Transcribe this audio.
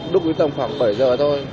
lúc ý tầm khoảng bảy h thôi